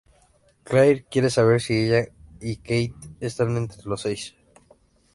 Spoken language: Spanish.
Claire quiere saber si ella y Kate están entre los seis.